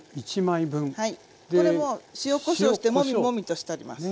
これもう塩こしょうしてもみもみとしてあります。